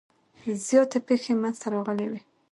زیاتې پیښې منځته راغلي وي.